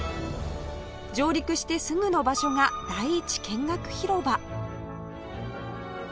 上陸してすぐの場所が第１見学広場